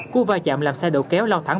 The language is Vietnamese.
cua vai chạm làm xe đầu kéo lao thẳng